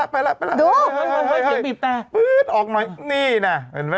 ไม่ใช่เสียชัดนะ